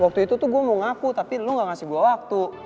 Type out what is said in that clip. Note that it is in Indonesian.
waktu itu tuh gue mau ngaku tapi lu gak ngasih gue waktu